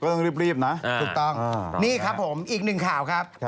ต้องรีบนะถูกต้องนี่ครับผมอีกหนึ่งข่าวครับ